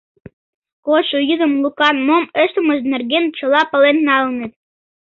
Кодшо йӱдым Лукан мом ыштымыж нерген чылан пален налыныт.